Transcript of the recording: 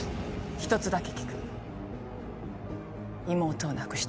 １つだけ聞く妹を亡くした